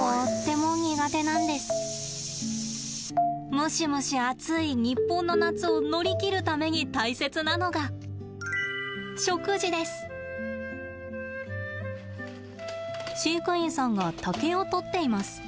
ムシムシ暑い日本の夏を乗り切るために大切なのが飼育員さんが竹をとっています。